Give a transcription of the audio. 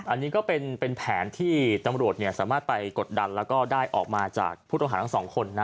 อันนี้ก็เป็นแผนที่ตำรวจสามารถไปกดดันแล้วก็ได้ออกมาจากผู้ต้องหาทั้งสองคนนะ